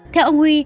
theo ông huy